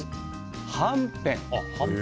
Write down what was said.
はんぺん。